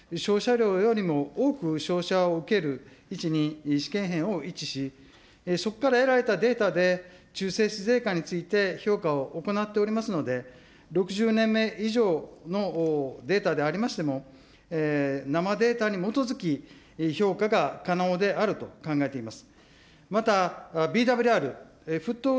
加えて実際に原子炉容器が受ける照射量よりも多く照射を受ける位置に試験片を位置し、そこから得られたデータで、中性子において評価を行っておりますので、６０年目以上のデータでありましても、生データに基づき、評価が可能であると考えています。